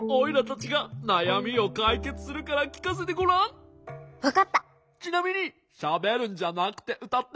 ちなみにしゃべるんじゃなくてうたって。